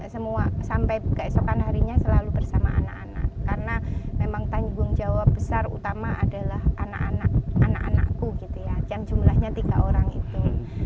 semua sampai keesokan harinya selalu bersama anak anak karena memang tanggung jawab besar utama adalah anak anakku gitu ya yang jumlahnya tiga orang itu